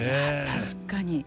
確かに。